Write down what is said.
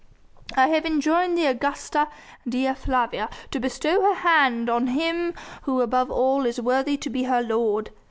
I have enjoined the Augusta Dea Flavia to bestow her hand on him who above all is worthy to be her lord.